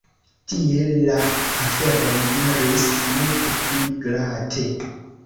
Tie la aferoj iris multe pli glate.